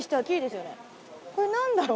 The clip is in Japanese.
これなんだろう？